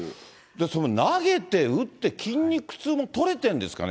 投げて打って筋肉痛もとれてるんですかね？